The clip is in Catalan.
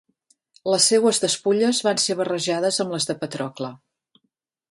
Les seues despulles van ser barrejades amb les de Patrocle.